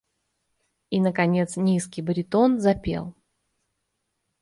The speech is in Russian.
И наконец низкий баритон запел: